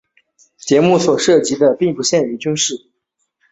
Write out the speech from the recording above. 节目所涉及的并不仅限于军事。